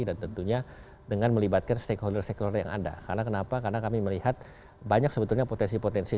dan tentunya kita harus memiliki kemampuan untuk memiliki kemampuan untuk memiliki kemampuan untuk memiliki kemampuan untuk memiliki kemampuan untuk memiliki kemampuan